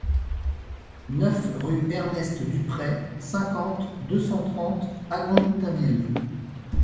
neuf rue Ernest Duprey, cinquante, deux cent trente, Agon-Coutainville